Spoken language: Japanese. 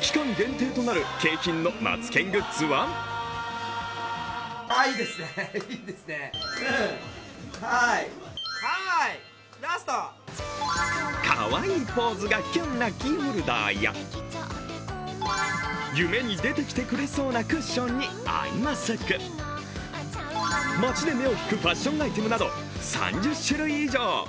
期間限定となる景品のマツケングッズはかわいいポーズがキュンなキーホルダーや夢に出てきてくれそうなクッションにアイマスク、街で目を引くファッションアイテムなど、３０種類以上。